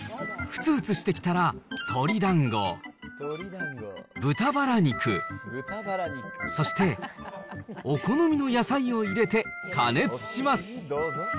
ふつふつしてきたら鶏だんご、豚バラ肉、そしてお好みの野菜を入れて加熱します。